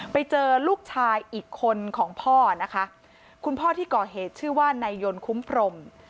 ไปเจอลูกชายอีกคนของพ่อนะคะคุณพ่อที่ก่อเหตุชื่อว่านายยนต์คุ้มพรม